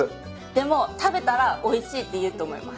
でも食べたらおいしいって言うと思います。